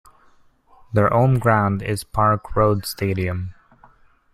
Their home ground is Park Road Stadium.